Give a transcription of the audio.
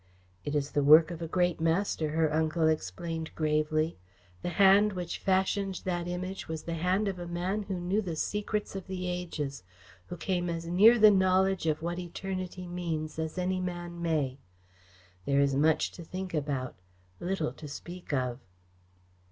"It is the work of a great master," her uncle explained gravely. "The hand which fashioned that Image was the hand of a man who knew the secrets of the ages, who came as near the knowledge of what eternity means as any man may. There is much to think about little to speak of."